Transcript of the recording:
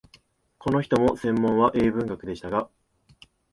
この人も専門は英文学でしたが、